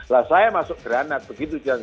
lah saya masuk granat begitu